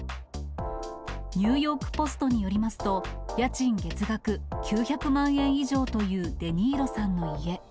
ニューヨークポストによりますと、家賃、月額９００万円以上というデ・ニーロさんの家。